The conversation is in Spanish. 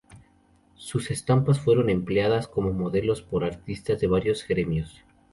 Sus estampas fueron empleadas como modelos por artistas de varios gremios.